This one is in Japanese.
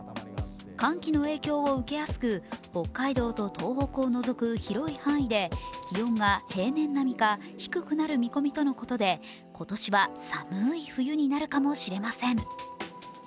寒気の影響を受けやすく北海道と東北をのぞく広い範囲で気温が平年並みか低くなる見込みとのことで今年は、寒い冬になるかもしれません。